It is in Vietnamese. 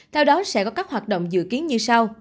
theo đó sẽ có các hoạt động dự kiến như sau